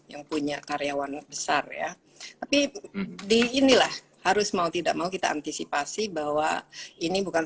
yang punya karyawan besar ya tapi di inilah harus mau tidak mau kita antisipasi bahwa ini bukan